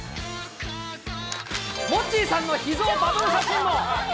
モッチーさんの秘蔵バブル写真も。